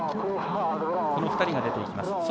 この２人が出ていきます。